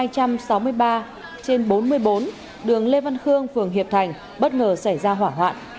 trước đó vào lúc hai h sáu mươi ba trên bốn mươi bốn đường lê văn khương phường hiệp thành bất ngờ xảy ra hỏa hoạn